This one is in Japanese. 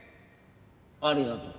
ありがとう。